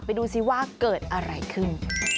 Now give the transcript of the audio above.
ดูสิว่าเกิดอะไรขึ้น